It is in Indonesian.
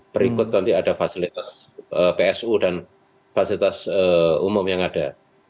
berikut nanti ada fasilitas psu dan fasilitas umum yang ada